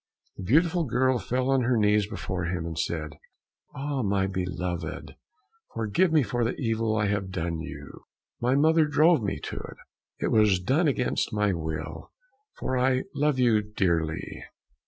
The beautiful girl fell on her knees before him, and said, "Ah, my beloved, forgive me for the evil I have done you; my mother drove me to it; it was done against my will, for I love you dearly.